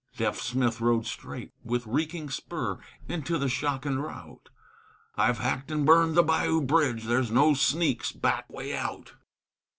Deaf Smith rode straight, with reeking spur, Into the shock and rout: "I've hacked and burned the bayou bridge, There's no sneak's back way out!"